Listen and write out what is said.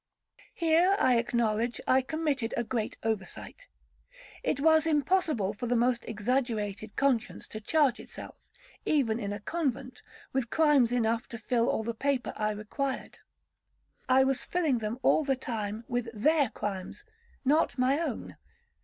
Here, I acknowledge, I committed a great oversight. It was impossible for the most exaggerated conscience to charge itself, even in a convent, with crimes enough to fill all the paper I required. I was filling them all the time with their crimes, not my own.